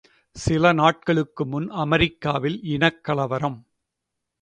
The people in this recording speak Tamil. சில நாட்களுக்கு முன் அமெரிக்காவில் இனக்கலவரம்.